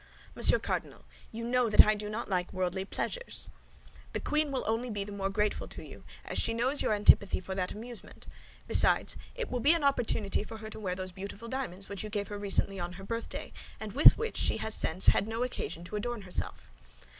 "Monsieur Cardinal, you know that I do not like worldly pleasures." "The queen will only be the more grateful to you, as she knows your antipathy for that amusement; besides, it will be an opportunity for her to wear those beautiful diamonds which you gave her recently on her birthday and with which she has since had no occasion to adorn herself."